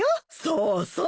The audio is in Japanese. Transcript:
そうそう。